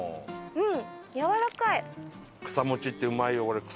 うん！